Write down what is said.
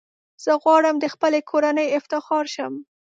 زه غواړم د خپلي کورنۍ افتخار شم .